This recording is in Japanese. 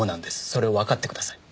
それをわかってください。